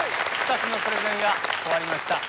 ２つのプレゼンが終わりました。